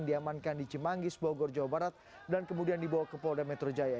diamankan di cimanggis bogor jawa barat dan kemudian dibawa ke polda metro jaya